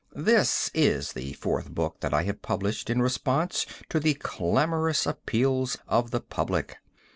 This is the fourth book that I have published in response to the clamorous appeals of the public.